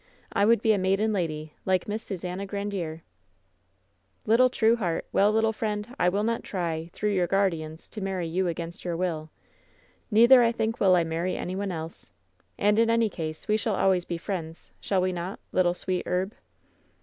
I would be a maiden lady, like Miss Susannah Grandiere." "Little true heart ! Well, little friend, I will not try, through your guardians, to marry you against your will. Neither, I think, will I marry any one else. And in any case, we shall always be friends, shall we not, little sweet herb?"